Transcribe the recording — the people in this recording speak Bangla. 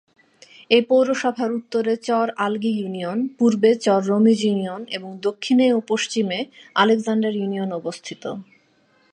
এ পৌরসভার উত্তরে চর আলগী ইউনিয়ন, পূর্বে চর রমিজ ইউনিয়ন এবং দক্ষিণে ও পশ্চিমে আলেকজান্ডার ইউনিয়ন অবস্থিত।